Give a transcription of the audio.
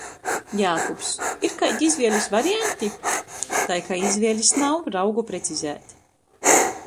Jākubs: "Ir kaidi izvielis varianti?" Tai kai izvielis nav, raugu precizēt.